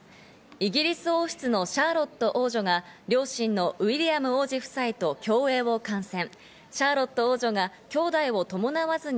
イギリス王室のシャーロット王女が両親のウィリアム王子夫妻と競泳を観戦。